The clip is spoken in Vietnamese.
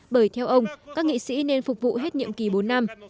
bởi theo ông các nghị sĩ nên phục vụ hết nhiệm kỳ bốn năm